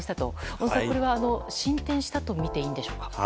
小野さん、これは進展したといっていいですか。